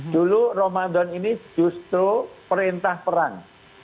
dulu ramadan ini justru perintah perang